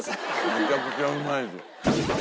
めちゃくちゃうまいです。